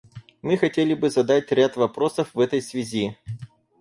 Мы хотели бы задать ряд вопросов в этой связи.